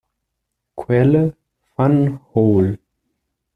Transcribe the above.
Quelle: Van Hool